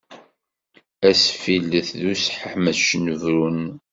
Asfillet d useḥmec nubren.